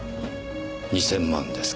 ２０００万ですか。